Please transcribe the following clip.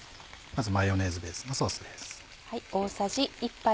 まずマヨネーズベースのソースです。